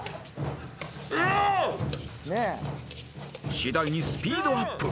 ［次第にスピードアップ］